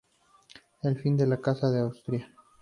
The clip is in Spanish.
El fin de la Casa de Austria.